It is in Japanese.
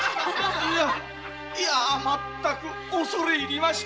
いや恐れ入りました。